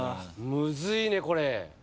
・むずいねこれ。